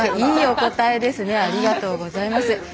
いいお答えですねありがとうございます。